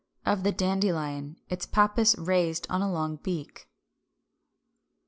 Of the Dandelion, its pappus raised on a long beak.